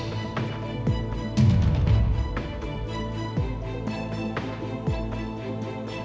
มันนี่เลยมันนี่